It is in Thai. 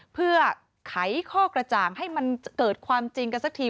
เพื่อไขข้อกระจ่างให้มันเกิดความจริงกันสักที